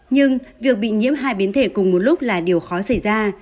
nhưng việc bị nhiễm hai biến thể cùng một lúc là điều khó xảy ra